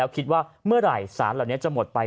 คิดว่าเมื่อไหร่สารเหล่านี้จะหมดไป